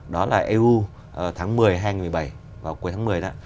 đó là eu tháng một mươi hai nghìn một mươi bảy vào cuối tháng một mươi đó